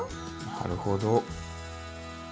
なるほど。